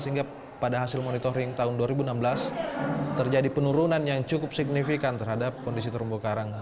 sehingga pada hasil monitoring tahun dua ribu enam belas terjadi penurunan yang cukup signifikan terhadap kondisi terumbu karang